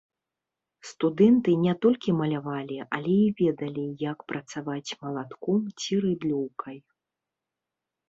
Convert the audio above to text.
Студэнты не толькі малявалі, але і ведалі, як працаваць малатком ці рыдлёўкай.